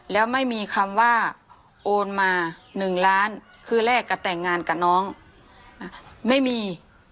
แล้วไม่มีคำว่าโอนมา๑ล้านคือแรกก็แต่งงานกับน้องไม่มี